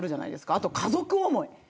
あと、家族思い。